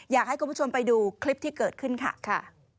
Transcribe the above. อยากให้คุณผู้ชมไปดูคลิปที่เกิดขึ้นค่ะ